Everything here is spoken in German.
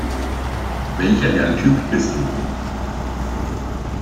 Welcher Lerntyp bist du?